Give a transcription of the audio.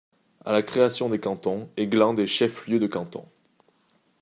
À la création des cantons, Esglandes est chef-lieu de canton.